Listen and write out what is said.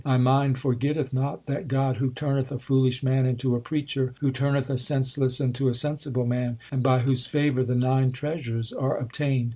My mind forgetteth not that God, Who turneth a foolish man into a preacher, Who turneth a senseless into a sensible man, And by whose favour the nine treasures are obtained.